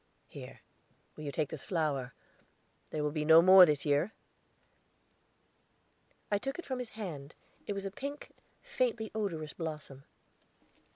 Here, will you take this flower? There will be no more this year." I took it from his hand; it was a pink, faintly odorous blossom.